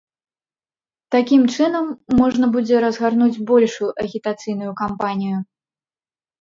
Такім чынам, можна будзе разгарнуць большую агітацыйную кампанію.